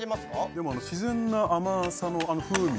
でも自然な甘さの風味